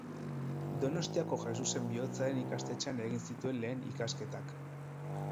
Donostiako Jesusen Bihotzaren ikastetxean egin zituen lehen ikasketak.